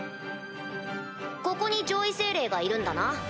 ここに上位精霊がいるんだな？